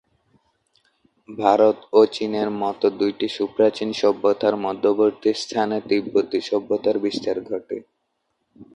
ভারত ও চীনের মতো দুইটি সুপ্রাচীন সভ্যতার মধ্যবর্তী স্থানে তিব্বতী সভ্যতার বিস্তার ঘটে।